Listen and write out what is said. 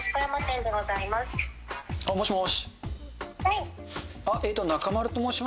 もしもし。